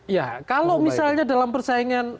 ya kalau misalnya dalam persaingan